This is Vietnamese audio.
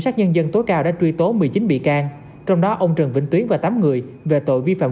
sát nhân dân tối cao đã truy tố một mươi chín bị can trong đó ông trần vĩnh tuyến và tám người về tội vi phạm